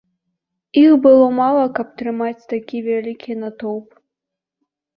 Іх было мала, каб трымаць такі вялікі натоўп.